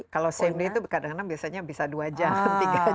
kalau sam day itu kadang kadang biasanya bisa dua jam tiga jam